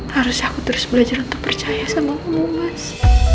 harus aku terus belajar untuk percaya sama kamu mas